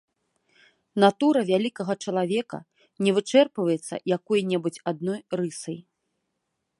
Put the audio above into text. Натура вялікага чалавека не вычэрпваецца якой-небудзь адной рысай.